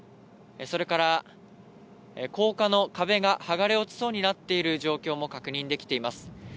それから高架の壁がはがれ落ちそうになっている状況も確認できています。